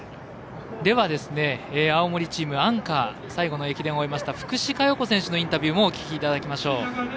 では、青森チームアンカー最後の駅伝を終えました福士加代子選手のインタビューもお聞きいただきます。